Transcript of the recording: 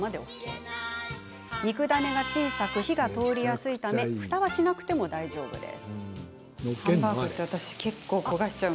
肉ダネが小さく火が通りやすいためふたはしなくても大丈夫です。